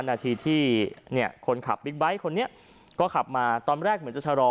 นาทีที่เนี่ยคนขับบิ๊กไบท์คนนี้ก็ขับมาตอนแรกเหมือนจะชะลอ